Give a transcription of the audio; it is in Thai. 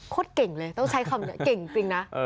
โคตรเก่งเลยต้องใช้คำเก่งจริงนะ